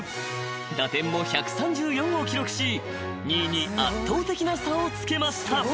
［打点も１３４を記録し２位に圧倒的な差をつけました］